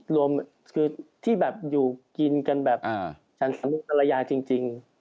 รวมที่อยู่กินกันแบบชันสรรค์ธรรยาจริง